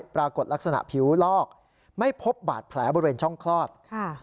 ปรากฏลักษณะผิวลอกไม่พบบาดแผลบริเวณช่องคลอด